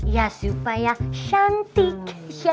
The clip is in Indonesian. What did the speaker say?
ya supaya cantik